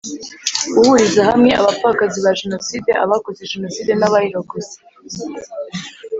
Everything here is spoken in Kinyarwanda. Guhuriza hamwe abapfakazi ba Jenoside, abakoze Jenoside na abayirokotse